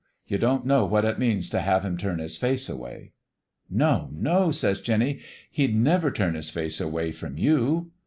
You don't know what it means t' have Him turn His face away.' "' No, no !' says Jinny. ' He'd never turn His face away from you.'